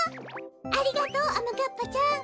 ありがとうあまかっぱちゃん。